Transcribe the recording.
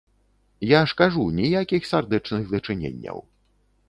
Я ж кажу, ніякіх сардэчных дачыненняў.